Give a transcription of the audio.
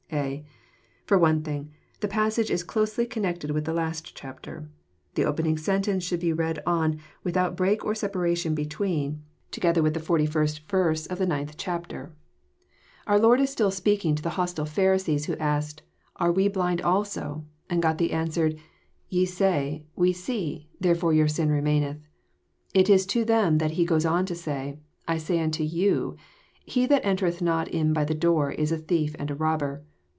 (a) For one thing, the passage is closely connected with the last chapter. TJie opening sentence should be read on, without break or separation between, together with the forty first versa JOHN, CHAP. X. 179 of the ninth chapter. Oar Lord is still speaking to the hostile Pharisees who asked, *^ Are we blind also? " and got the answer, Ye say, We see ; therefore your sin remaineth." — It is to them that He goes on to say, " I say unto you, He that entereth not in by the door Is a thief and a robber."